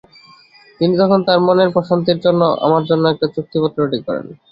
তিনি তখন তাঁর মনের প্রশান্তির জন্য আমার জন্য একটি চুক্তিপত্র রেডি করেন।